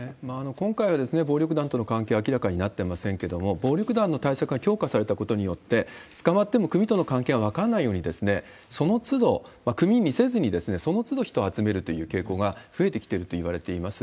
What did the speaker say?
今回は暴力団との関係は明らかになってませんけれども、暴力団の対策が強化されたことによって、捕まっても組との関係が分からないように、その都度、組にせずに、そのつど人を集めるという傾向が増えてきているといわれています。